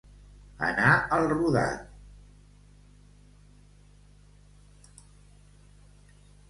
Anar al rodat.